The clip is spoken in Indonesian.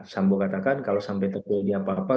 sambo katakan kalau sampai terkulit dia apa apa